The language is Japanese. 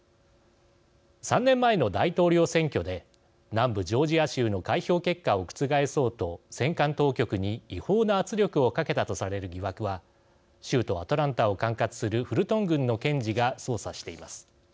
３年前の大統領選挙で南部ジョージア州の開票結果を覆そうと選管当局に、違法な圧力をかけたとされる疑惑は州都アトランタを管轄するフルトン郡の検事が捜査しています。